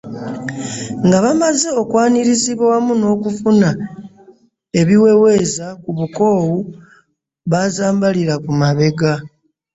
Nga bamaze okwanirizibwa wamu n'okufuna ebiweweeza ku bukoowu baazambalira ku mabega.